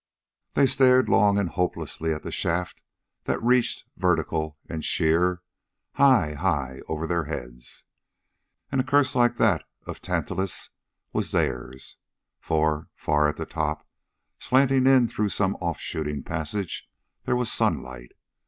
They stared long and hopelessly at the shaft that reached, vertical and sheer, high, high over their heads. And a curse like that of Tantalus was theirs. For, far at the top, slanting in through some off shooting passage, there was sunlight.